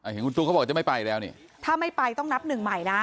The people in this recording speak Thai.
เห็นคุณตุ๊กเขาบอกจะไม่ไปแล้วนี่ถ้าไม่ไปต้องนับหนึ่งใหม่นะ